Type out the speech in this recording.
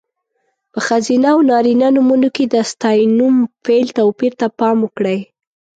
په ښځینه او نارینه نومونو کې د ستاینوم، فعل... توپیر ته پام وکړئ.